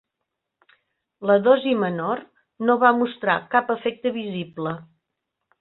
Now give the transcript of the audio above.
La dosi menor no va mostrar cap efecte visible.